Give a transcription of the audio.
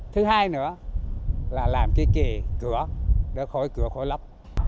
thứ hai nữa là làm cái kề cửa để khỏi cửa khỏi lóc